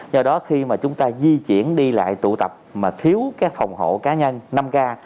do đó khi mà chúng ta di chuyển đi lại tụ tập mà thiếu cái phòng hộ cá nhân năm k